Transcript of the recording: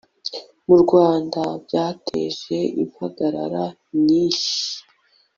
mu rwanda byateje impagarara nyinshi